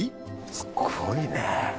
すごいね。